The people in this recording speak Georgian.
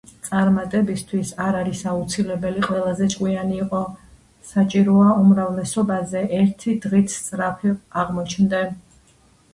„წარმატებისთვის არ არის აუცილებელი ყველაზე ჭკვიანი იყო, საჭიროა, უმრავლესობაზე ერთი დღით სწრაფი აღმოჩნდე.”